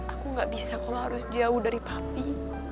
aku gak bisa kalau harus jauh dari papi